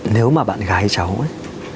nếu mà bạn gái cháu ấy